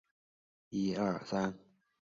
钝叶短柱茶为山茶科山茶属的植物。